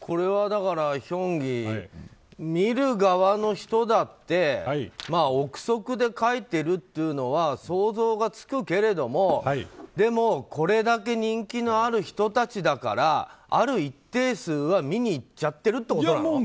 これはヒョンギ見る側の人だって憶測で書いてるっていうのは想像がつくけれどもでも、これだけ人気のある人たちだからある一定数は見に行っちゃってるってことなの？